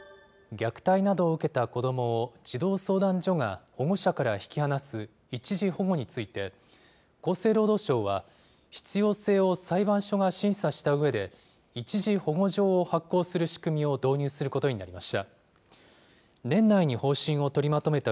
虐待などを受けた子どもを、児童相談所が保護者から引き離す一時保護について、厚生労働省は、必要性を裁判所が審査したうえで、一時保護状を発行する仕組みを導入することになりました。